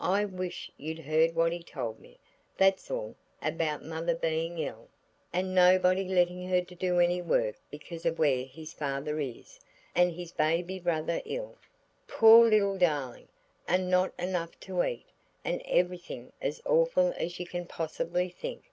I only wish you'd heard what he told me–that's all–about mother being ill, and nobody letting her do any work because of where his father is, and his baby brother ill, poor little darling, and not enough to eat, and everything as awful as you can possibly think.